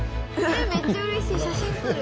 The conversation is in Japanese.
めっちゃうれしい写真撮る。